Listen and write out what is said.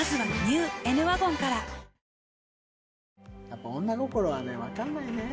やっぱ女心はねわかんないね。